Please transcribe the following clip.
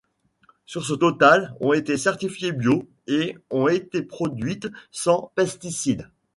Sur ce total, ont été certifiées ‘’bio’’ et ont été produites sans pesticides.